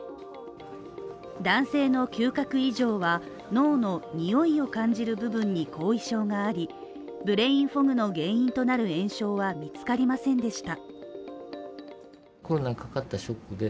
男性の嗅覚以上は、脳の、においを感じる部分に後遺症がありブレインフォグの原因となる炎症は見つかりませんでした。